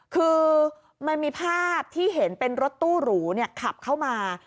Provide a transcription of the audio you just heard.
คือมันมีภาพที่เห็นเป็นรถตู้หรูขับเข้ามา